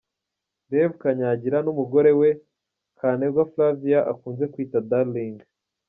Rev Kanyangira n'umugore we Kantengwa Flavia akunze kwita Darling.